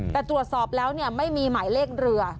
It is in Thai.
แต่ตรวจสอบแล้วไม่มีหมายเลขเรือ